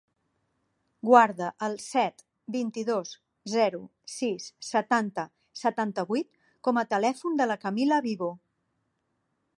Guarda el set, vint-i-dos, zero, sis, setanta, setanta-vuit com a telèfon de la Camila Vivo.